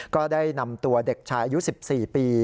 ก็ได้นำตัวเด็กชายอายุ๑๔ปี